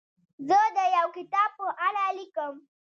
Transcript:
زه د یو کتاب په اړه لیکم.